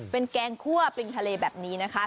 เป็นแกงคั่วปริงทะเลแบบนี้นะคะ